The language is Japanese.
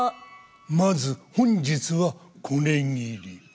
まず本日はこれぎり。